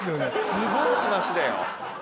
すごい話だよ。